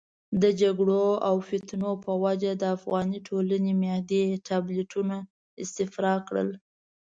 د جګړو او فتنو په وجه د افغاني ټولنې معدې ټابلیتونه استفراق کړل.